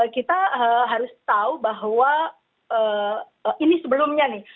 kita harus tahu bahwa ini sebelumnya nih